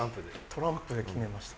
トランプで決めました。